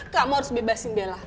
kamu harus bebasin bella